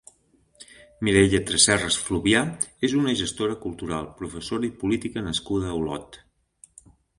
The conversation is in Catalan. Mireia Tresserras Fluvià és una gestora cultural, professora i política nascuda a Olot.